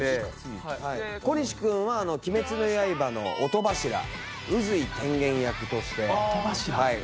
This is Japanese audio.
小西君は『鬼滅の刃』の音柱宇髄天元役として。音柱か。